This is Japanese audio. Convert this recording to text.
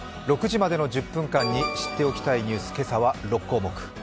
６時までの１０分間に知っておきたいニュース、今朝は６項目。